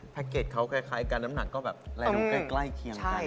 แพ็คเกจเค้าคล้ายการน้ำหนังก็แบบแรงลงใกล้เคียงกัน